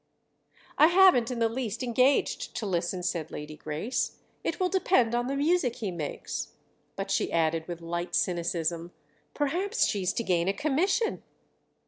"I haven't in the least engaged to listen," said Lady Grace—"it will depend on the music he makes!" But she added with light cynicism: "Perhaps she's to gain a commission!"